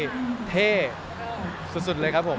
ข้างใจละังที่คุณจะอันสร้างสนำตัวใหม่ด้วยที่เท่สุดเลยครับครับผม